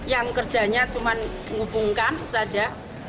yang kerjanya cuma menghubungkan saja